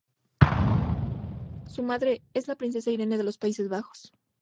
Su madre es la princesa Irene de los Países Bajos.